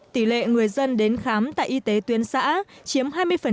tỷ lệ người dân đến khám tại y tế tuyến xã chiếm hai mươi